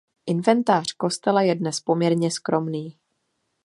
Inventář kostela je dnes poměrně skromný.